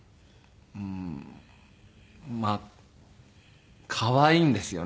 まあ可愛いんですよね。